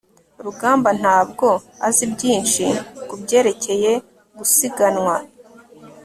rugamba ntabwo azi byinshi kubyerekeye gusiganwa